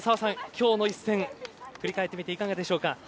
今日の一戦を振り返ってみていかがでしょうか。